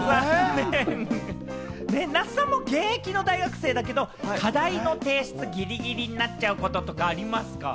那須くんも現役の大学生だけれども、課題の提出ギリギリになっちゃうこととか、ありますか？